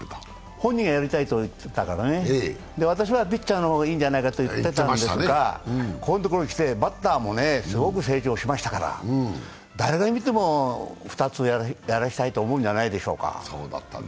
本人がやりたいと言ってたからね、私はピッチャーの方がいいんじゃないかと言っていたんですが、ここのところに来て、バッターもすごく成長しましたから、誰が見ても２つやらせたいと思っていたんじゃないでしょうか。